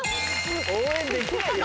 応援できないよ